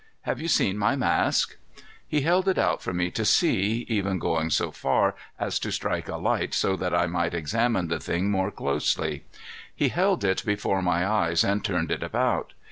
Have you seen my mask?" He held it out for me to see, even going so far as to strike a light so that I might examine the thing more closely. He held it before my eyes and turned it about.